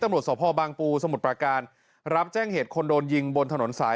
ตำรวจสภบางปูสมุทรประการรับแจ้งเหตุคนโดนยิงบนถนนสาย